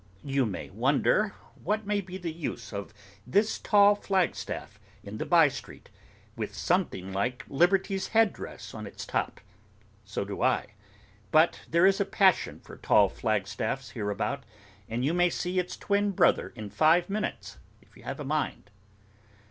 You wonder what may be the use of this tall flagstaff in the by street, with something like Liberty's head dress on its top: so do I. But there is a passion for tall flagstaffs hereabout, and you may see its twin brother in five minutes, if you have a mind.